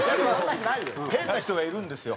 変な人がいるんですよ。